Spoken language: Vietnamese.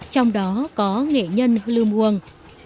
trong đó có nghệ nhân lưu muồng